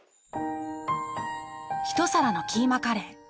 ひと皿のキーマカレー。